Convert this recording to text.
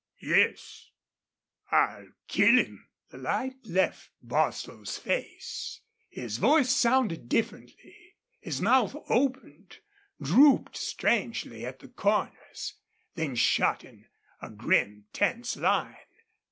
"Yes, I'll kill him!" The light left Bostil's face. His voice sounded differently. His mouth opened, drooped strangely at the corners, then shut in a grim, tense line.